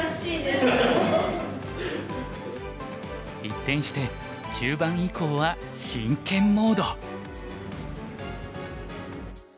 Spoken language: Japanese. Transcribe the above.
一転して中盤以降は真剣モード。